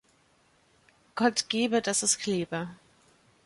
Gott gebe, dass es klebe!